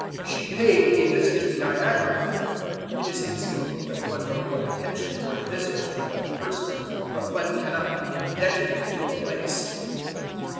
"She paid a visit to Niagara." It is conceivable that one may owe attention or a visit to another person, but one cannot be indebted to a place.